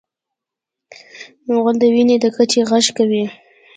غول د وینې د کچې غږ کوي.